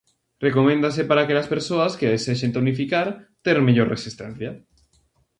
Recoméndase para aquelas persoas que desexen tonificar, ter mellor resistencia.